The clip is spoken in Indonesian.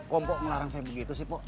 kok mpok ngelarang saya begitu sih pok